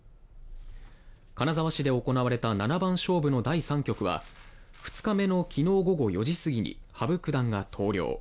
金沢市で行われた七番勝負の第３局は、２日目の昨日午後４時すぎに羽生九段が投了。